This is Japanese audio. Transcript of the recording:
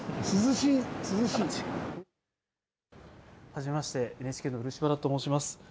はじめまして、ＮＨＫの漆原と申します。